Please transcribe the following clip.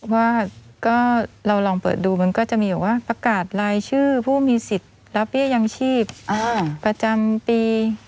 ว่าก็เราลองเปิดดูมันก็จะมีแบบว่าประกาศรายชื่อผู้มีสิทธิ์รับเบี้ยยังชีพประจำปี